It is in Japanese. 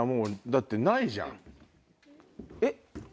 えっ？